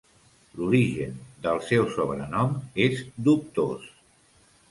L'origen del seu sobrenom és dubtós.